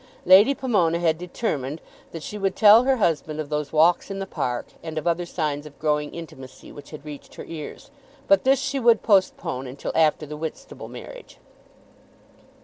Lady Pomona had determined that she would tell her husband of those walks in the park, and of other signs of growing intimacy which had reached her ears; but this she would postpone until after the Whitstable marriage.